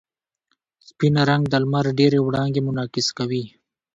سپین رنګ د لمر ډېرې وړانګې منعکس کوي.